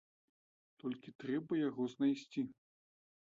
Толькі трэба яго знайсці.